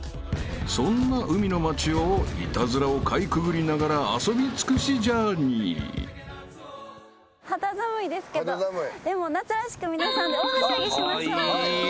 ［そんな海の街をイタズラをかいくぐりながら遊び尽くしジャーニー］肌寒いですけどでも夏らしく皆さんで大はしゃぎしましょう。